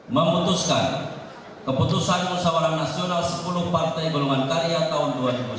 memutuskan keputusan musawara nasional sepuluh partai golongan karya tahun dua ribu sembilan belas